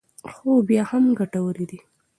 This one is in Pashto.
خو بیا هم ګټورې دي.